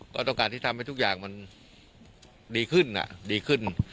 ต้องการที่ทำให้ทุกอย่างดีขึ้น